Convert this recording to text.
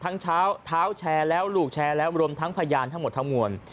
เช้าเท้าแชร์แล้วลูกแชร์แล้วรวมทั้งพยานทั้งหมดทั้งมวล